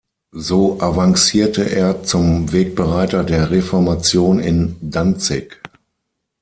So avancierte er zum Wegbereiter der Reformation in Danzig.